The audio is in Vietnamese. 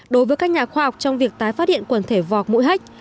đối với các nhà khoa học trong việc tái phát hiện quần thể vọc mũi hách